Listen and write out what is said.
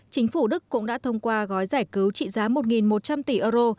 chính phủ đức cũng đã thông qua gói giải cứu trị giá một một trăm linh tỷ euro